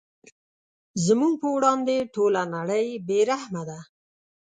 زموږ په وړاندې ټوله نړۍ بې رحمه ده.